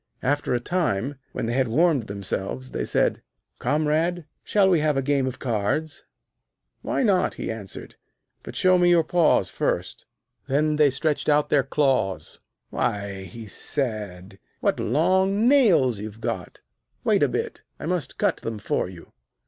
After a time, when they had warmed themselves, they said: 'Comrade, shall we have a game of cards?' 'Why not?' he answered; 'but show me your paws first.' Then they stretched out their claws. 'Why,' he said, 'what long nails you've got. Wait a bit; I must cut them for you.'